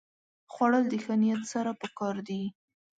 خوړل د ښه نیت سره پکار دي